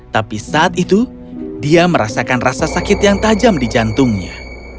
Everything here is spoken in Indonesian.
tapi saat itu dia merasakan rasa sakit yang tajam di jantungnya